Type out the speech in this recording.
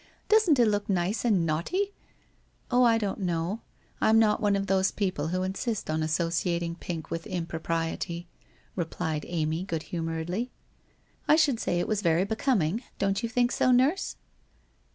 Doesn't it look nice and naughty ?' 1 Oh, I don't know, I am not one of those people who insist on associating pink with impropriety,' replied Amy good humouredly. ' I should say it was very becoming, don't you think so, nurse